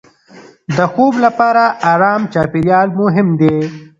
د خوب لپاره ارام چاپېریال مهم دی.